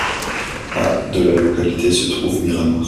À de la localité se trouve Miramar.